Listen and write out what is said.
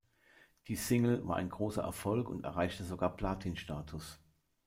Die Single war ein großer Erfolg und erreichte sogar Platin-Status.